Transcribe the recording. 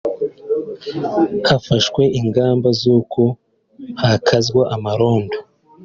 Hafashwe ingamba z’uko hakazwa amarondo